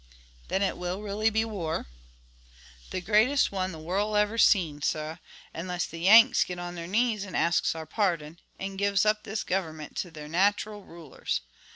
"Then it will really be war?" "The greatest one the worl' ever seen, sah, unless the Yanks git on their knees and asks our pardon, and gives up this govinment to their natral rulers.